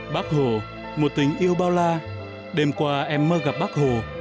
bắc hồ một tình yêu bao la đêm qua em mơ gặp bắc hồ